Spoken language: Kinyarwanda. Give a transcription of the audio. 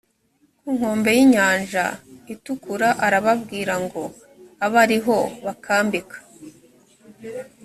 ku nkombe y’inyanja itukura arababwira ngo abe ari ho bakambika